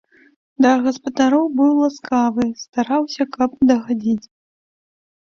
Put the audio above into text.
Да гаспадароў быў ласкавы, стараўся, каб дагадзіць.